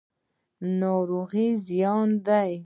ناروغي زیان دی.